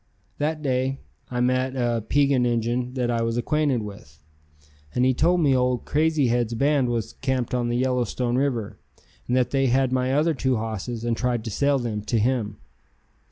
That day I met a Piegan Injun that I was acquainted with, and he told me old Crazy Head's band was camped on the Yellowstone River, and that they had my other two hosses and tried to sell them to him.